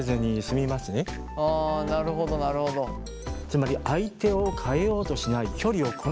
つまり相手を変えようとしない距離を置く